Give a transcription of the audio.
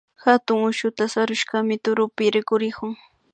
Hatun ushuta sarushkami turupi rikurikun